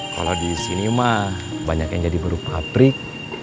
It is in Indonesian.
kalau di sini mak banyak yang jadi baru pabrik